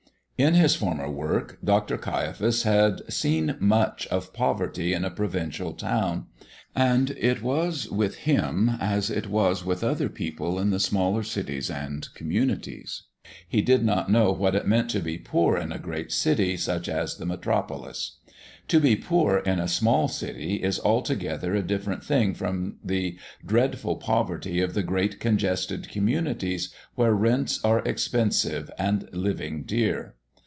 In his former work Dr. Caiaphas had seen much of poverty in a provincial town, and it was with him as it was with other people in the smaller cities and communities he did not know what it meant to be poor in a great city such as the metropolis. To be poor in a small city is altogether a different thing from the dreadful poverty of the great congested communities where rents are expensive and living dear.